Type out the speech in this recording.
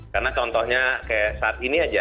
karena contohnya kayak saat ini aja